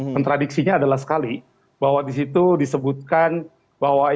kontradiksinya adalah sekali bahwa disitu disebutkan bahwa itu adalah hal yang biasa